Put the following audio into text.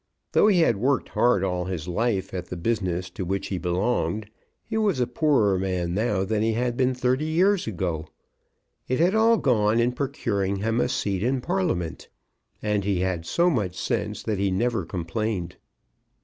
Though he had worked hard all his life at the business to which he belonged, he was a poorer man now than he had been thirty years ago. It had all gone in procuring him a seat in Parliament. And he had so much sense that he never complained.